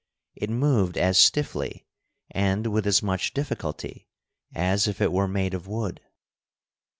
It moved as stiffly, and with as much difficulty, as if it were made of wood.